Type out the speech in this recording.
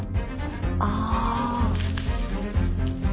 ああ。